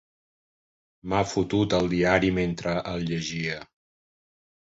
M'ha fotut el diari mentre el llegia.